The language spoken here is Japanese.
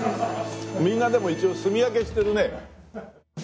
みんなでも一応すみ分けしてるね。